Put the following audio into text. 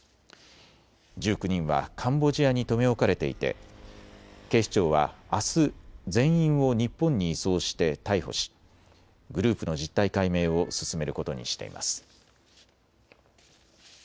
１９人はカンボジアに留め置かれていて警視庁はあす全員を日本に移送して逮捕しグループの実態解明を進めることにしています。